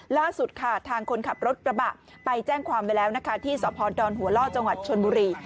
ล่าสุดค่ะทางคนขับรถกระบะไปแจ้งความไว้แล้วนะคะที่สพดอนหัวล่อจังหวัดชนบุรี